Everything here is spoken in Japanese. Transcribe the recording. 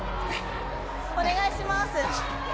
お願いします。